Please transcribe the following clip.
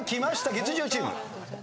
月１０チーム。